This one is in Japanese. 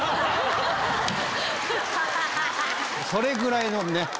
それぐらいのね